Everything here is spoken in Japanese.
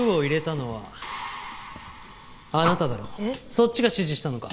そっちが指示したのか。